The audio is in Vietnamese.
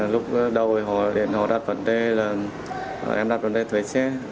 lúc đầu họ đặt vấn đề là em đặt vấn đề thuê xe